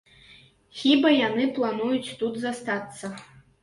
Хіба яны плануюць тут застацца?